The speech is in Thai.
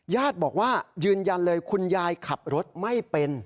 ญาติบอกว่ายืนยันเลยคุณยายขับรถไม่เป็น